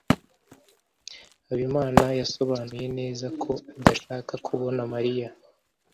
habimana yasobanuye neza ko adashaka kubona mariya